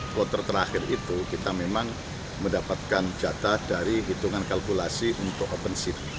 kloter terakhir itu kita memang mendapatkan jatah dari hitungan kalkulasi untuk open seat